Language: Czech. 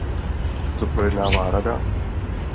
Co projednává Rada?